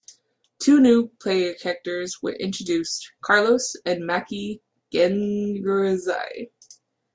Two new player characters were introduced: Carlos and Maki Genryusai.